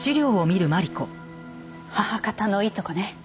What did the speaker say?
母方のいとこね。